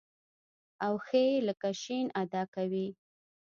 او ښ لکه ش ادا کوي.